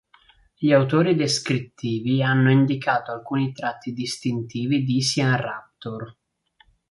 Gli autori descrittivi hanno indicato alcuni tratti distintivi di "Siamraptor".